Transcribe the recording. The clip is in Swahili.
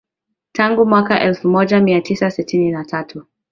Tangu mwaka elfu moja mia tisa sitini na tatu